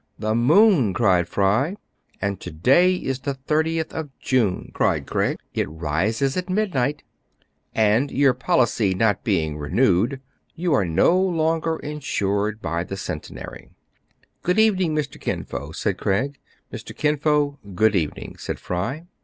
"The moon!" cried Fry. " And to day is the 30th of June !" cried Craig. " It rises at midnight "— "And your policy not being renewed" — "You are no longer insured by the Centenary." " Good evening, Mr. Kin Fo !" said Craig. " Mr. Kin Fo, good evening !" said Fry.